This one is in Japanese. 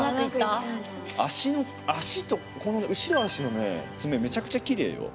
足の足とこの後ろ足のね爪めちゃくちゃきれいよ。